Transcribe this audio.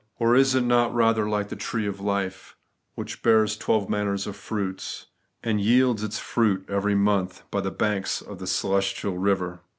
Or is it not rather like the tree of life, which bears twelve manner of fruits, and yields its fruit every month, by the banks of the celestial river